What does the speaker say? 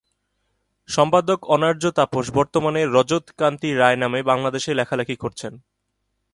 সম্পাদক অনার্য তাপস বর্তমানে ‘রজত কান্তি রায়’ নামে লেখালেখি করছেন বাংলাদেশে।